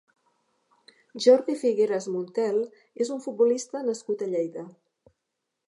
Jordi Figueras Montel és un futbolista nascut a Lleida.